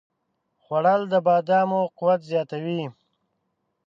خوړل د بادامو قوت زیاتوي